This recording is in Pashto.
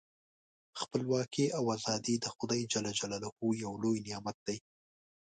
خپلواکي او ازادي د خدای ج یو لوی نعمت دی.